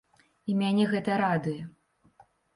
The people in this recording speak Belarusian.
І мяне гэта радуе.